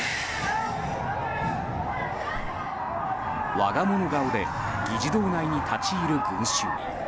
我が物顔で議事堂内に立ち入る群衆。